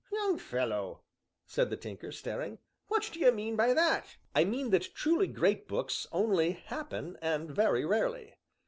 "Young fellow," said the Tinker, staring, "what do you mean by that?" "I mean that truly great books only happen, and very rarely."